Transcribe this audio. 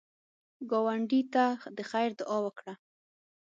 ګاونډي ته د خیر دعا وکړه